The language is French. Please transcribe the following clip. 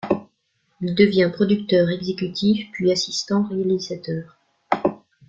Il devient producteur exécutif puis assistant réalisateur.